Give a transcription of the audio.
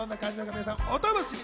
皆さんお楽しみに。